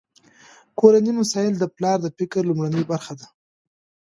کورني مسایل د پلار د فکر لومړنۍ برخه ده.